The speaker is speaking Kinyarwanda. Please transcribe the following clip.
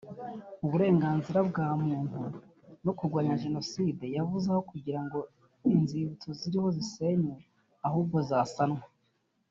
uburenganzira bwa muntu no kurwanya Jenoside yavuze ko aho kugira ngo inzibutso ziriho zisenywe ahubwo zasanwa